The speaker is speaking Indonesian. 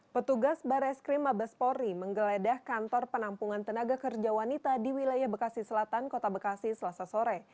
petugas bareskrim mabespori menggeledah kantor penampungan tenaga kerja wanita di wilayah bekasi selatan kota bekasi selasa sore